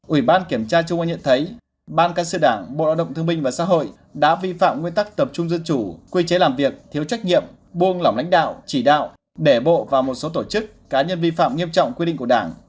ủy ban kiểm tra trung ương nhận thấy ban cán sự đảng bộ lao động thương minh và xã hội đã vi phạm nguyên tắc tập trung dân chủ quy chế làm việc thiếu trách nhiệm buông lỏng lãnh đạo chỉ đạo để bộ và một số tổ chức cá nhân vi phạm nghiêm trọng quy định của đảng